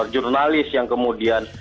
jurnalis yang kemudian